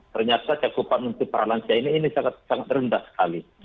ternyata cakupan untuk para lansia ini sangat rendah sekali